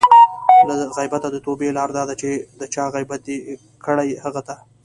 له غیبته د توبې لاره دا ده چې د چا غیبت دې کړی؛ هغه ته